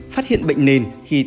phát hiện bệnh nền khi tiêm